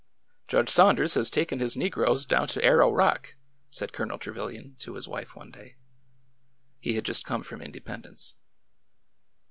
Judge Saunders has taken his negroes down to Ar row Rock,'' said Colonel Trevilian to his wife one day. He had just come from Independence.